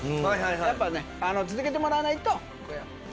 やっぱね続けてもらわないと。